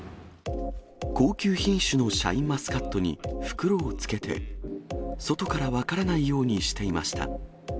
高級品種のシャインマスカットに袋をつけて、外から分からないようにしていました。